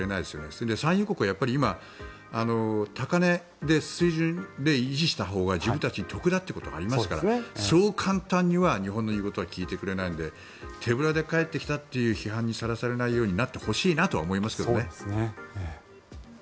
それで産油国は今高値の水準で維持したほうが自分たちに得だということがありますからそう簡単には日本の言うことは聞いてくれないので手ぶらで帰ってきたという批判にさらされないようになってほしいなと思いますけどね。